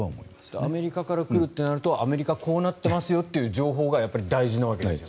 アメリカから来るとなるとアメリカこうなってますよという情報が大事なわけですよね。